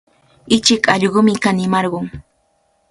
Ichik allqumi kanimarqun.